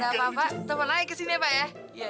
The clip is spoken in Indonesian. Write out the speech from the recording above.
kalau ada apa apa tombol lagi kesini ya pak ya